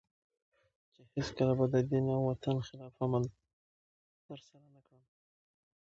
چي هیڅکله به د دین او وطن خلاف عمل تر نه کړم